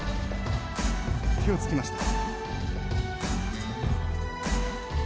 手をつきました。